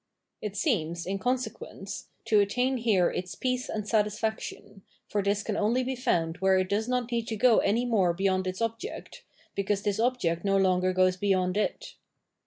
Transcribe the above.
It seems, in consequence, to attain here its peace and satisfaction, for this can only be found where it does not need to go any more beyond its object, because this object no longer goes beyond it.